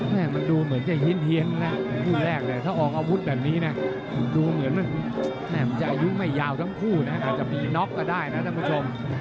แม่มันดูเหมือนจะเฮียนนะคู่แรกเนี่ยถ้าออกอาวุธแบบนี้นะดูเหมือนมันจะอายุไม่ยาวทั้งคู่นะอาจจะมีน็อกก็ได้นะท่านผู้ชม